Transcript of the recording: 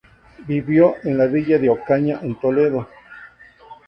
Vivió en la villa de Ocaña, en Toledo.